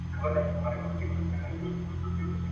په هره څانګه هر پاڼه کي ویشتلی چنار.